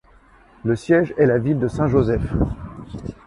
Le siège est la ville de Saint-Joseph.